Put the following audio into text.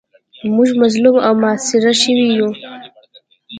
موږ مظلوم او محاصره شوي یو.